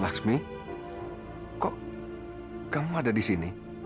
laksmi kok kamu ada disini